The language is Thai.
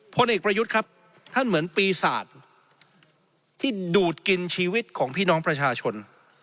พลเอกประยุทธ์ครับท่านเหมือนปีศาจที่ดูดกินชีวิตของพี่น้องประชาชน